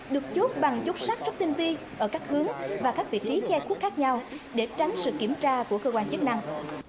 được chốt bằng chất sách rất tinh vi ở các hướng và các vị trí che khuất khác nhau để tránh sự kiểm tra của cơ quan chức năng